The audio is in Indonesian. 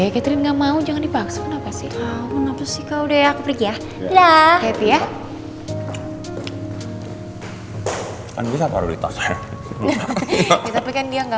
kemes banget sih